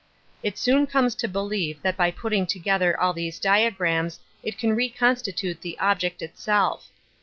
It soon comes to believe that by putting together all these diagrams it can reconstitute the object itself.